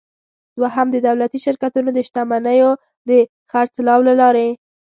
دوهم: د دولتي شرکتونو د شتمنیو د خرڅلاو له لارې.